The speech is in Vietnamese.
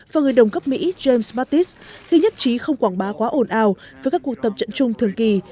và người đồng cấp mỹ james batis tuy nhất trí không quảng bá quá ồn ào với các cuộc tập trận chung thường kỳ